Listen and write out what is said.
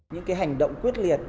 những cái hành động quyết liệt